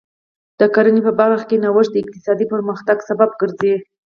د کرنې په برخه کې نوښت د اقتصادي پرمختګ سبب ګرځي.